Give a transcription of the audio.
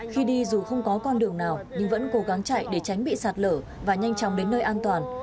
khi đi dù không có con đường nào nhưng vẫn cố gắng chạy để tránh bị sạt lở và nhanh chóng đến nơi an toàn